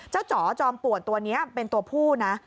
จ๋อจอมป่วนตัวนี้เป็นตัวผู้นะ